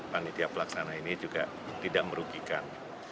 panitia pelaksana ini juga tidak merugikan